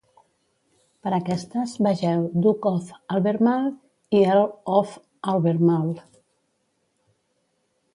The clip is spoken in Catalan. Per aquestes, vegeu "Duke of Albemarle" i "Earl of Albemarle".